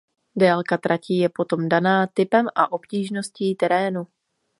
Délka tratí je potom daná typem a obtížností terénu.